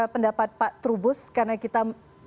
pendapat pak trubus karena kita